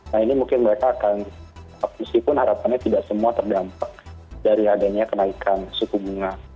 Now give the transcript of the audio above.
nah ini mungkin mereka akan meskipun harapannya tidak semua terdampak dari adanya kenaikan suku bunga